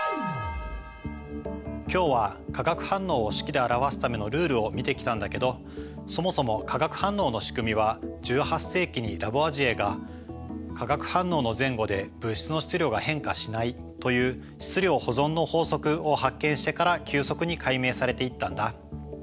今日は化学反応を式で表すためのルールを見てきたんだけどそもそも化学反応の仕組みは１８世紀にラボアジェが化学反応の前後で物質の質量が変化しないという「質量保存の法則」を発見してから急速に解明されていったんだ。